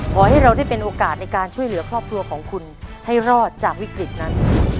ขอให้เราได้เป็นโอกาสในการช่วยเหลือครอบครัวของคุณให้รอดจากวิกฤตนั้น